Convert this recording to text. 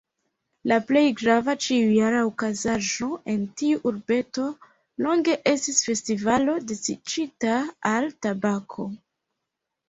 La plej grava, ĉiujara okazaĵo en tiu urbeto longe estis festivalo dediĉita al tabako.